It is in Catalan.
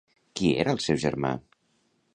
Qui era el seu germà?